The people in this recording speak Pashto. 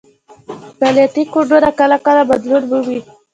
مالياتي کوډونه کله کله بدلون مومي